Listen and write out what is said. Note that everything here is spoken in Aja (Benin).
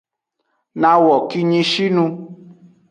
Nawo kinyishinu.